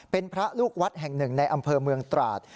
เป็นพระลูกวัดแห่งหนึ่งในอำเภอเมืองตราด